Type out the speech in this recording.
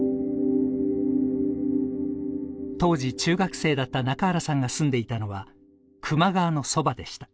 当時中学生だった中原さんが住んでいたのは球磨川のそばでした。